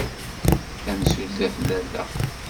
Tamsulta tella da.